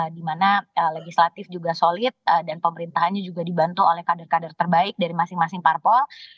di mana legislatif juga solid dan pemerintahannya juga dibantu oleh kader kader terbaik dari masing masing parpol